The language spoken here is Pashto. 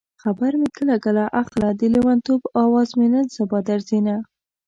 خبر مې کله کله اخله د لېونتوب اواز مې نن سبا درځينه